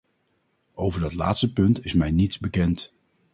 Over dat laatste punt is mij niets bekend.